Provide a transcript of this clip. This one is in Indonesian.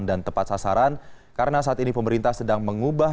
dan tepat sasaran karena saat ini pemerintah sedang mengubah